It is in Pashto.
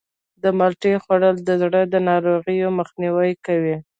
د مالټې خوړل د زړه د ناروغیو مخنیوی کوي.